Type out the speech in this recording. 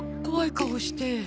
怖い顔して。